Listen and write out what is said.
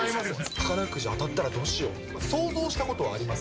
宝くじ当たったらどうしようとか想像したことはあります？